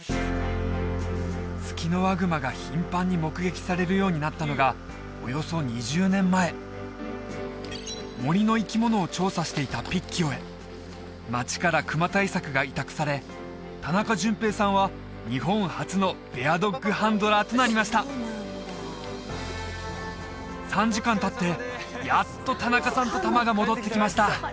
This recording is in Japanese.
ツキノワグマが頻繁に目撃されるようになったのがおよそ２０年前森の生き物を調査していたピッキオへ町から熊対策が委託され田中純平さんは日本初のベアドッグハンドラーとなりました３時間たってやっと田中さんとタマが戻ってきました